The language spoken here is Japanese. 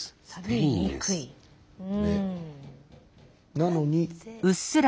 なのに。